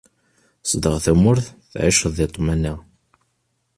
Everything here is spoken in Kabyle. Sdeɣ tamurt tɛiceḍ di ṭṭmana.